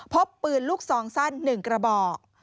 พบปืนลูกซองสั้น๑กระบอก